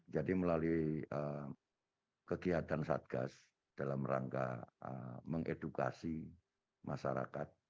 jadi melalui kegiatan satgas dalam rangka mengedukasi masyarakat